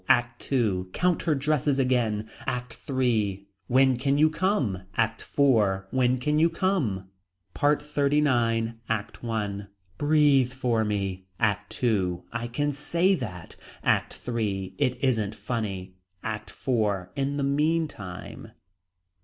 ACT II. Count her dresses again. ACT III. When can you come. ACT IV. When can you come. PART XXXIX. ACT I. Breathe for me. ACT II. I can say that. ACT III. It isn't funny. ACT IV. In the meantime.